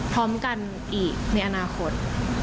พร้อมกันอีกในอนาคต